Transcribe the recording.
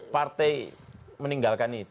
partai meninggalkan itu